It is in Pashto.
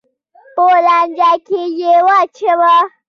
په لانجه کې یې واچوه.